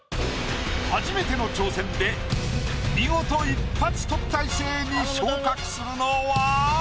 初めての挑戦で見事一発特待生に昇格するのは？